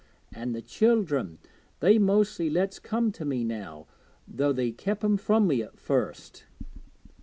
An' the children they mostly lets come to me now, though they kep 'em from me at first.